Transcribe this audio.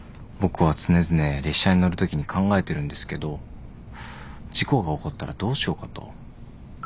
僕は常々列車に乗るときに考えてるんですけど事故が起こったらどうしようかと。